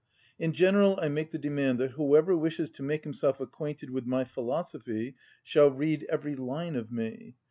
In general I make the demand that whoever wishes to make himself acquainted with my philosophy shall read every line of me.